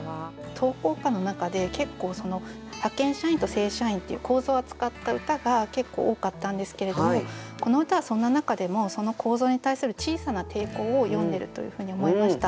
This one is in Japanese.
投稿歌の中で結構派遣社員と正社員っていう構造を扱った歌が結構多かったんですけれどもこの歌はそんな中でもその構造に対する小さな抵抗を詠んでるというふうに思いました。